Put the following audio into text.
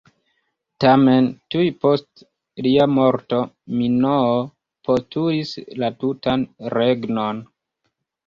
Tamen, tuj post lia morto Minoo postulis la tutan regnon.